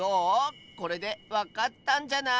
これでわかったんじゃない？